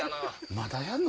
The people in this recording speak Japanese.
まだやんの？